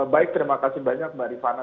baik terima kasih banyak mbak rifana